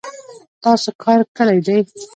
تاسو کار کړی دی